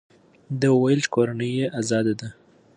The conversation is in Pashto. ده وویل چې کورنۍ یې ازاده ده.